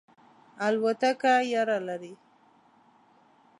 الوتکه یره لرئ؟